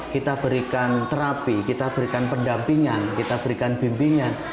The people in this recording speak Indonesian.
kita berikan terapi kita berikan pendampingan kita berikan bimbingan